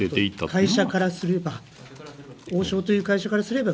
会社からすれば。